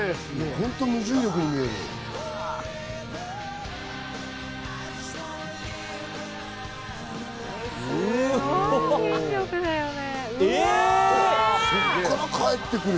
本当に無重力に見える。